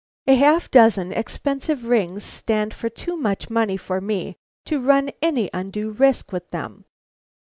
A half dozen expensive rings stand for too much money for me to run any undue risk with them."